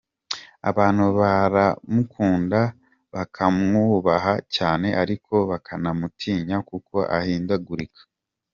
Abantu baramukunda, bakamwubaha cyane ariko bakanamutinya kuko ahindagurika.